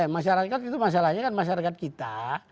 masyarakat itu masalahnya kan masyarakat kita